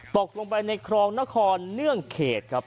ตกลงไปในครองนครเนื่องเขตครับ